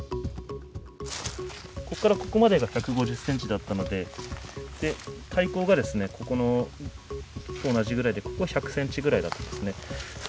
ここからここまでが１５０センチだったので、体高がここと同じぐらいでここ、１００センチぐらいだったんですね。